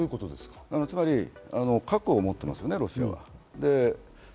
つまり核を持っていますよね、ロシアが。